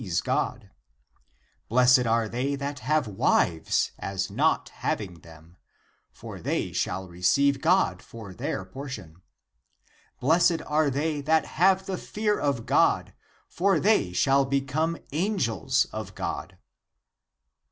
l6 THE APOCRYPHAL ACTS God ;^'^ blessed are they that have wives as not having them, for they shall receive God for their portion; ^^ blessed are they that have the fear of God, for they shall become angels of God.